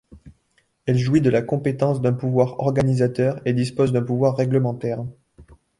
Elle jouit de la compétence d'un pouvoir organisateur et dispose d'un pouvoir règlementaire.